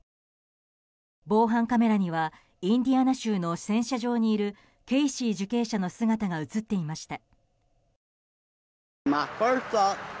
防犯カメラにはインディアナ州の洗車場にいるケイシー受刑者の姿が映っていました。